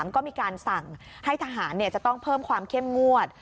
ก็มีการสั่งให้ทหารจะต้องเพิ่มความเข้มงวด